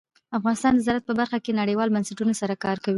افغانستان د زراعت په برخه کې نړیوالو بنسټونو سره کار کوي.